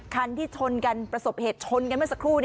คันที่ชนกันประสบเหตุชนกันเมื่อสักครู่